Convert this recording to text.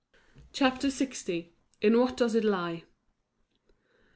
CHAPTER LX. IN WHAT DOES IT LIE?